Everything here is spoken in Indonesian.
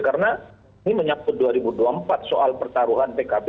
karena ini menyapu dua ribu dua puluh empat soal pertaruhan pkb